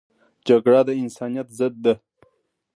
جګړه د انسانیت ضد ده